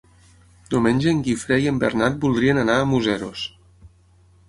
Diumenge en Guifré i en Bernat voldrien anar a Museros.